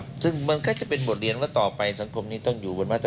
ประมาณนี้คนไหนมันปลอดภันฑ์